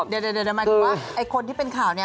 เดี๋ยวมาถึงว่าคนที่เป็นข่าวนี่